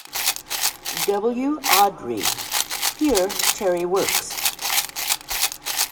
W. Awdry: Here Terry works.